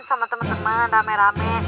sama temen temen rame rame